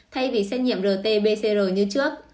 thay vì xét nghiệm rt pcr như trước